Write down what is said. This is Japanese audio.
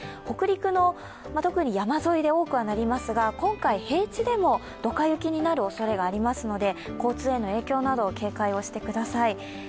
北陸の特に山沿いで多くはなりますが今回、平地でもどか雪になるおそれがありますので交通への影響など警戒をしてください。